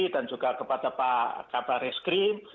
dan juga kepada pak kabar eskrim